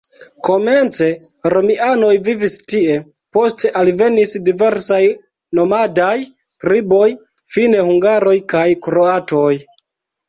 Komence romianoj vivis tie, poste alvenis diversaj nomadaj triboj, fine hungaroj kaj kroatoj.